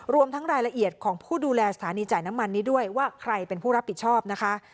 รวมทั้งรายละเอียดของผู้ดูแลสถานีจ่ายน้ำมันนี้ด้วยว่าใครเป็นผู้รับผิดชอบนะคะ